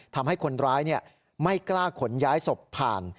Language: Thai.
ทำให้คนร้ายไม่กล้าขนย้ายศพผ่าน